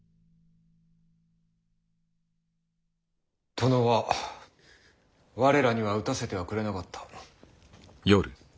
殿は我らには討たせてはくれなかった。